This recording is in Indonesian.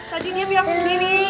tadi dia bilang sendiri